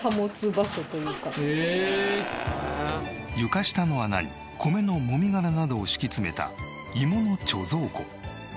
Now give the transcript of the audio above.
床下の穴に米の籾殻などを敷き詰めた芋の貯蔵庫。